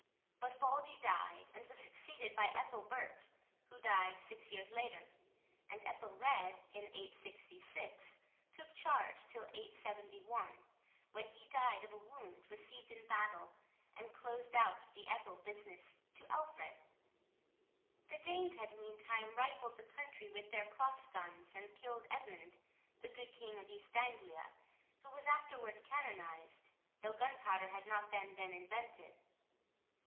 But Baldy died, and was succeeded by Ethelbert, who died six years later, and Ethelred, in 866, took charge till 871, when he died of a wound received in battle and closed out the Ethel business to Alfred. The Danes had meantime rifled the country with their cross guns and killed Edmund, the good king of East Anglia, who was afterwards canonized, though gunpowder had not then been invented.